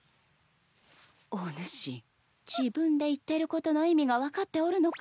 おぬし自分で言ってることの意味が分かっておるのか？